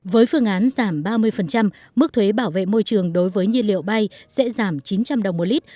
với phương án giảm ba mươi mức thuế bảo vệ môi trường đối với nhiên liệu bay sẽ giảm chín trăm linh đồng một lít